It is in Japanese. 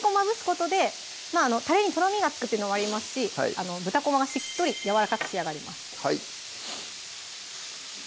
ことでたれにとろみがつくってのもありますし豚こまがしっとりやわらかく仕上がります